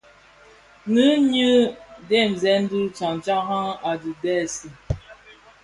Nnë nyi dhesen le tyantyaran a dhi tèèzi.